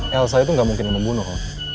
elsa itu gak mungkin yang membunuh